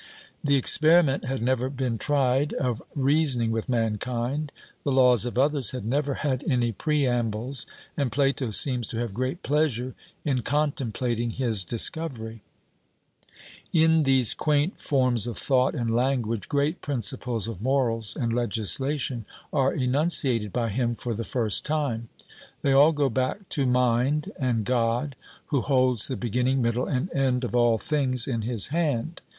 The experiment had never been tried of reasoning with mankind; the laws of others had never had any preambles, and Plato seems to have great pleasure in contemplating his discovery. In these quaint forms of thought and language, great principles of morals and legislation are enunciated by him for the first time. They all go back to mind and God, who holds the beginning, middle, and end of all things in His hand.